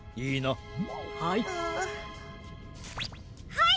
はい！